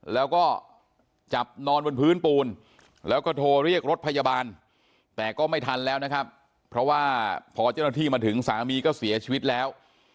แล้วก็จับนอนบนพื้นปูนแล้วก็โทรเรียกรถพยาบาลแต่ก็ไม่ทันแล้วนะครับเพราะว่าพอเจ้าหน้าที่มาถึงสามีก็เสียชีวิตแล้ว